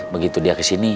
begitu dia kesini